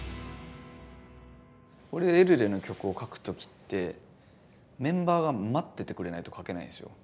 俺エルレの曲を書く時ってメンバーが待っててくれないと書けないんですよ。